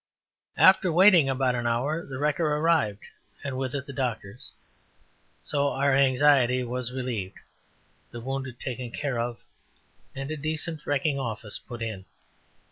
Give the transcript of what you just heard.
After waiting about an hour the wrecker arrived, and with it the doctors; so our anxiety was relieved, the wounded taken care of, and a decent wrecking office put in.